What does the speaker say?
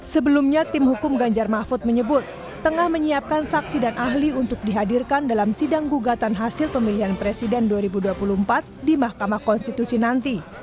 sebelumnya tim hukum ganjar mahfud menyebut tengah menyiapkan saksi dan ahli untuk dihadirkan dalam sidang gugatan hasil pemilihan presiden dua ribu dua puluh empat di mahkamah konstitusi nanti